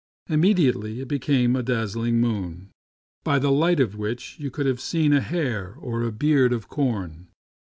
Immediately it became a dazzling moon, by the light of which you could have seen a hair or a beard of corn.